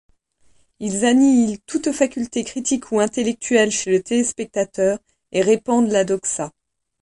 Ils annihilent toute faculté critique ou intellectuelle chez le téléspectateur et répandent la doxa.